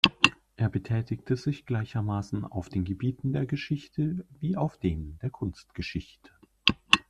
Er betätigte sich gleichermaßen auf den Gebieten der Geschichte wie auf dem der Kunstgeschichte.